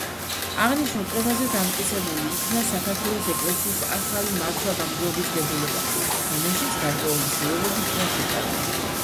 აღნიშნულ კრებაზე დამტკიცებული იქნა საქართველოს ეკელსიის ახალი მართვა-გამგეობის დებულება, რომელშიც გარკვეული ცვლილებები იქნა შეტანილი.